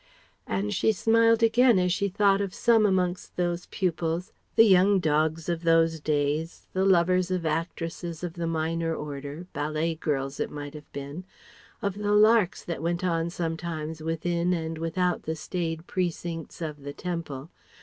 And she smiled again as she thought of some amongst those pupils, the young dogs of those days, the lovers of actresses of the minor order ballet girls, it might have been; of the larks that went on sometimes within and without the staid precincts of the Temple.